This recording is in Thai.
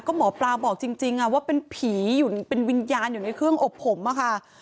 ก็หมอปลาบอกจริงว่าเป็นผีเป็นวิญญาณอยู่ในเครื่องอบผมอะค่ะ